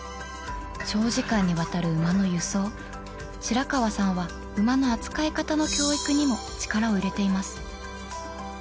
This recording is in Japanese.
長時間にわたる馬の輸送白川さんは馬の扱い方の教育にも力を入れています